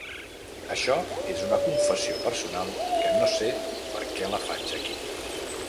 Això és una confessió personal que no sé per què la faig aquí.